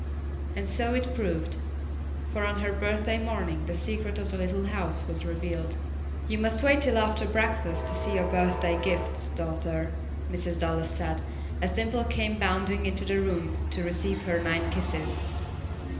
And so it proved, for on her birthday morning the secret of the little house was revealed. "You must wait till after breakfast to see your birthday gifts, daughter," Mrs. Dallas said, as Dimple came bounding into the room to receive her nine kisses.